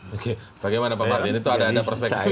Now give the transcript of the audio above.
oke bagaimana pak mardin itu ada perspektif